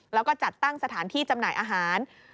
แล้วก็จัดตั้งสถานที่จำหน่ายอาหาร